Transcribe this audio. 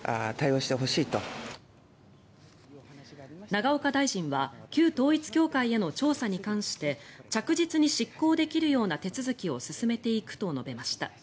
永岡大臣は旧統一教会への調査に関して着実に執行できるような手続きを進めていくと述べました。